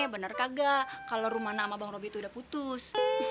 bener kagak kalau romana sama bang robi tuh udah putus